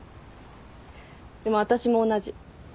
でも私も同じ。